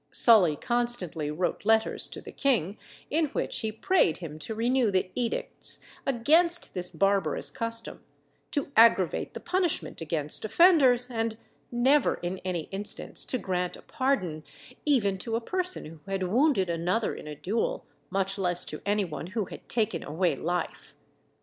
Sully constantly wrote letters to the king, in which he prayed him to renew the edicts against this barbarous custom, to aggravate the punishment against offenders, and never, in any instance, to grant a pardon, even to a person who had wounded another in a duel, much less to any one who had taken away life.